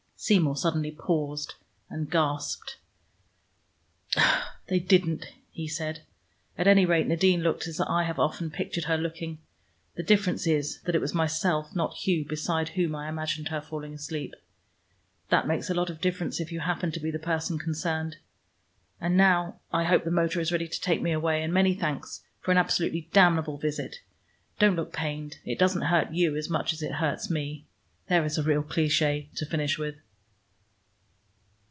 Seymour suddenly paused and gasped. "They didn't," he said. "At any rate Nadine looked as I have often pictured her looking. The difference is that it was myself, not Hugh, beside whom I imagined her falling asleep. That makes a lot of difference if you happen to be the person concerned. And now I hope the motor is ready to take me away, and many thanks for an absolutely damnable visit. Don't look pained. It doesn't hurt you as much as it hurts me. There is a real cliché to finish with."